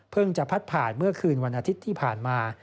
จะพัดผ่านเมื่อคืนวันอาทิตย์ที่ผ่านมา